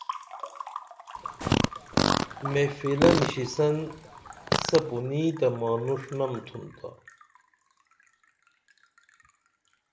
محفلہ نِشیسن سپُنیں تہ مانُݜنم تُھن تا